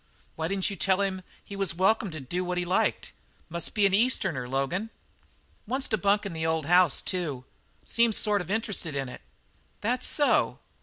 "Why didn't you tell him he was welcome to do what he liked? Must be an Easterner, Logan." "Wants to bunk in the old house, too. Seems sort of interested in it." "That so?